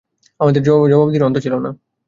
আমাদের জবাবদিহির অন্ত ছিল না।